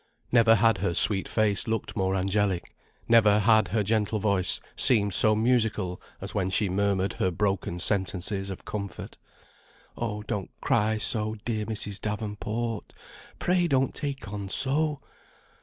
Never had her sweet face looked more angelic, never had her gentle voice seemed so musical as when she murmured her broken sentences of comfort. "Oh, don't cry so, dear Mrs. Davenport, pray don't take on so.